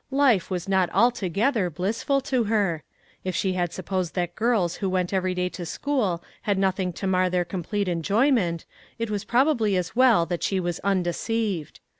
Life was not altogether blissful to her; if she had supposed that girls who went every day to school had nothing to mar their complete enjoyment, it was probably as well that she was undeceived.